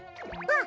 あ！